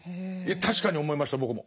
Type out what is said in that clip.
確かに思いました僕も。